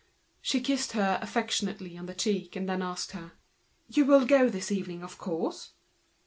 She kissed her affectionately, and then asked her: "You will go this evening, of course?"